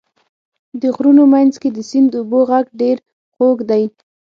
د غرونو منځ کې د سیند اوبو غږ ډېر خوږ دی.